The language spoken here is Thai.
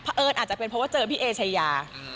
อาจจะเป็นเพราะว่าเจอพี่เอชายา